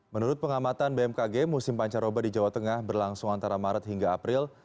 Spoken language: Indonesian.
menurut pengamatan bmkg musim pancaroba di jawa tengah berlangsung antara maret hingga april